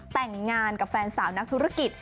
แต่งงานกับแฟนสาวนักธุรกิจ